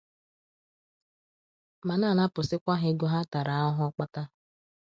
ma na-anapụsịkwa ha ego ha tara ahụhụ kpata.